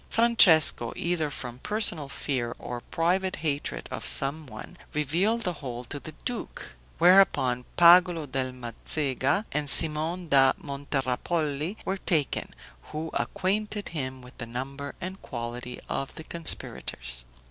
Francesco, either from personal fear, or private hatred of some one, revealed the whole to the duke; whereupon, Pagolo del Mazecha and Simon da Monterappoli were taken, who acquainted him with the number and quality of the conspirators.